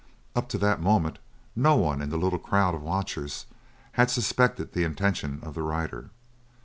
Up to that moment no one in the little crowd of watchers had suspected the intention of the rider.